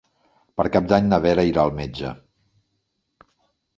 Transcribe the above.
Per Cap d'Any na Vera irà al metge.